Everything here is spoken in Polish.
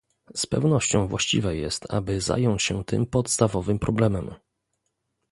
Z pewnością właściwe jest, aby zająć się tym podstawowym problemem